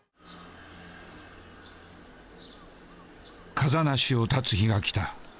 風成を発つ日が来た。